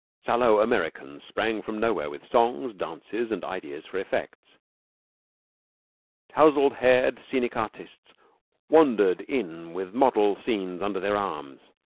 Sallow Americans sprang from nowhere with songs, dances, and ideas for effects. Tousled haired scenic artists wandered in with model scenes under their arms.